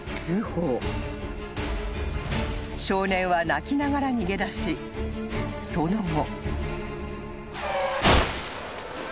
［少年は泣きながら逃げ出しその後］